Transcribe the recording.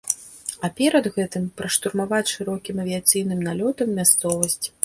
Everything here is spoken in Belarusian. А перад гэтым праштурмаваць шырокім авіяцыйным налётам мясцовасць.